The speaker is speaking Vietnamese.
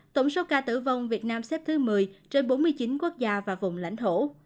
tổng số ca tử vong việt nam xếp thứ một mươi trên bốn mươi chín quốc gia và vùng lãnh thổ